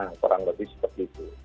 yang terang lebih seperti itu